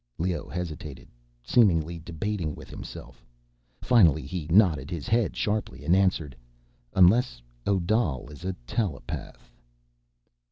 Leoh hesitated, seemingly debating with himself. Finally he nodded his head sharply, and answered, "Unless Odal is a telepath."